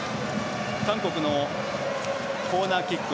韓国のコーナーキック。